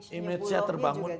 jadi image nya bulog nya juga jelas